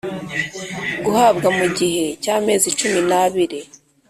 Guhabwa mu gihe cy amezi cumi n abiri